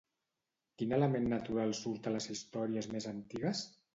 Quin element natural surt a les històries més antigues?